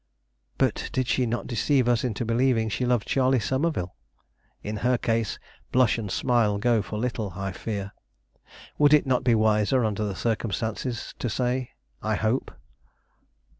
But did she not deceive us into believing she loved Charlie Somerville? In her case, blush and smile go for little, I fear. Would it not be wiser under the circumstances to say, I hope?